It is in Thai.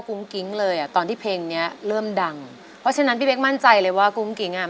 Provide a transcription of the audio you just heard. ุ้งกิ๊งเลยอ่ะตอนที่เพลงเนี้ยเริ่มดังเพราะฉะนั้นพี่เป๊กมั่นใจเลยว่ากุ้งกิ๊งอ่ะ